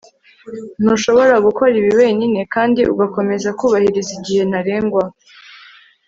ntushobora gukora ibi wenyine kandi ugakomeza kubahiriza igihe ntarengwa